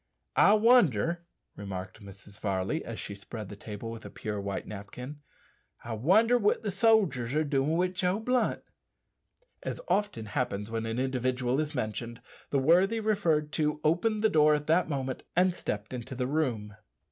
"I wonder," remarked Mrs. Varley, as she spread the table with a pure white napkin "I wonder what the sodgers are doin' wi' Joe Blunt." As often happens when an individual is mentioned, the worthy referred to opened the door at that moment and stepped into the room.